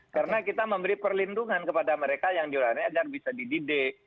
karena kita memberi perlindungan kepada mereka yang di luar negara bisa dididik